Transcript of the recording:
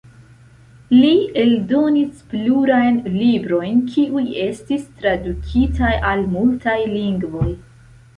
Li eldonis plurajn librojn, kiuj estis tradukitaj al multaj lingvoj.